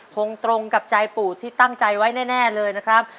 คงตรงกับใจปู่ที่ตั้งใจไว้แน่เลยนะครับ